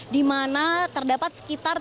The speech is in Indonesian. di mana terdapat sekitar